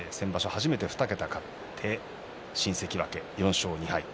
初めて２桁勝って新関脇４勝２敗。